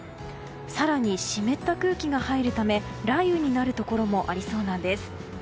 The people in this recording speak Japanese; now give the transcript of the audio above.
更に、湿った空気が入るため雷雨になるところもありそうです。